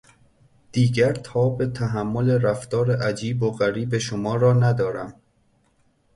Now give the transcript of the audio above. دیگر تاب تحمل رفتار عجیب و غریب شما را ندارم.